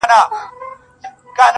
• ددغه خلگو په كار، كار مه لره.